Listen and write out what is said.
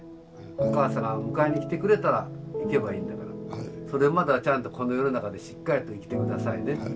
お母さんが迎えに来てくれたら逝けばいいんだからそれまでちゃんとこの世の中でしっかりと生きて下さいね。